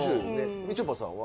みちょぱさんは？